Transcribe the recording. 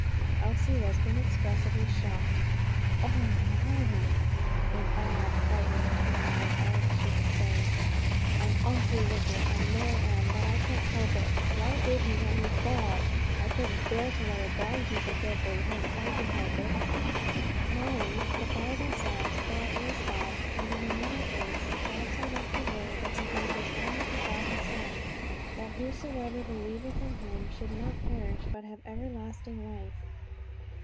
Elsie was inexpressibly shocked. "Oh, Molly!" in an awed, frightened tone, was all that she could say. "I'm awfully wicked, I know I am; but I can't help it. Why did he let me fall? I couldn't bear to let a dog be so dreadfully hurt, if I could help it!" "Molly, the Bible says 'God is love.' And in another place, 'God so loved the world, that he gave his only begotten Son, that whosoever believeth in him should not perish, but have everlasting life.'